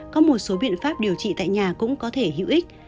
có một số biện pháp điều trị tại nhà cũng có thể hữu ích